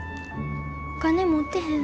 お金持ってへん。